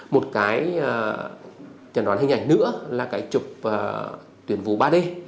một cái chẳng đoán hình ảnh nữa là cái trục tuyên vú ba d